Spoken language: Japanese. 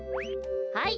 はい。